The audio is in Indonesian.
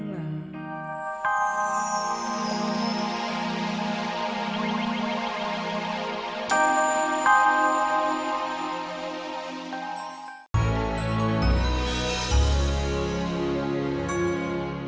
baik sakit k spotify muka yang ini